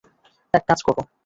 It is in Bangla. এক কাজ করো।